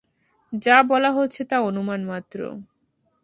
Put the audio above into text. যা বলা হচ্ছে, তা অনুমান মাত্র।